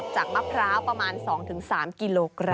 มะพร้าวประมาณ๒๓กิโลกรัม